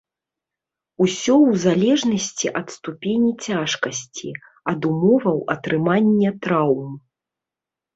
Усё ў залежнасці ад ступені цяжкасці, ад умоваў атрымання траўм.